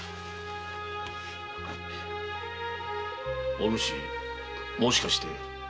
お主もしかして？